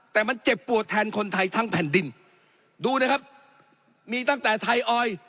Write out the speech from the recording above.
แต่มันเจ็บปวดแทนคนไทยทั้งแผ่นดินดูนะครับมีตั้งแต่ไทยออย